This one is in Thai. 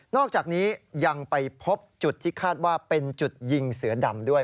อกจากนี้ยังไปพบจุดที่คาดว่าเป็นจุดยิงเสือดำด้วย